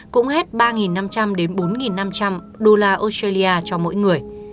cũng hết ba năm trăm linh đến bốn năm trăm linh đô la australia cho mỗi người